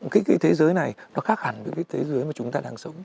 cái thế giới này nó khác hẳn với cái thế giới mà chúng ta đang sống